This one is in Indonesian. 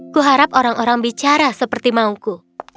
kuharap orang orang bicara seperti maungku